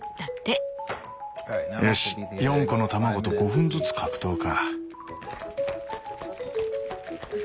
よし４個の卵と５分ずつ格闘か。